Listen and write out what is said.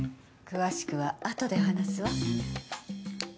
詳しくは後で話すわ。